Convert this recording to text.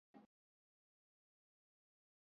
kitu ambacho kilikuwa hakina kweli